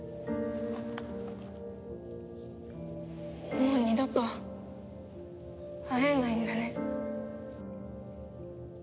もう二度と会えないんだね。